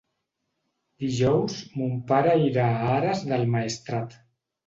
Dijous mon pare irà a Ares del Maestrat.